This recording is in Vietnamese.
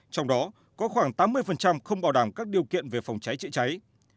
trong đó có khoảng tám mươi không bảo đảm các điều kiện về phòng cháy chữa cháy